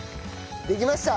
できました！